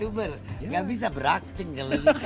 youtuber gak bisa berakting